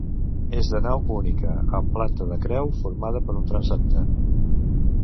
És de nau única, amb planta de creu, formada per un transsepte.